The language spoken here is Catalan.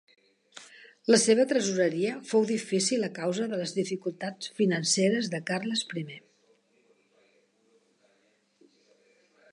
La seva tresoreria fou difícil a causa de les dificultats financeres de Carles I.